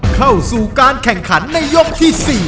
เข้าสู่การแข่งขันในยกที่๔